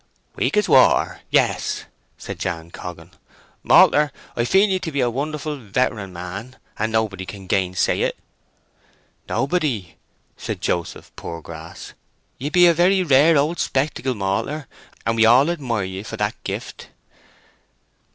"Weak as water! yes," said Jan Coggan. "Malter, we feel ye to be a wonderful veteran man, and nobody can gainsay it." "Nobody," said Joseph Poorgrass. "Ye be a very rare old spectacle, malter, and we all admire ye for that gift."